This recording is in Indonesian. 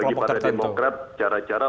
kelompok tertentu bagi para demokrat cara cara